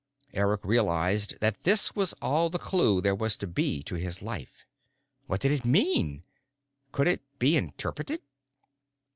Eric realized that this was all the clue there was to be to his life. What did it mean? Could it be interpreted?